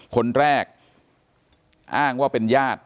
คนแรกอ้างว่าเป็นญาติ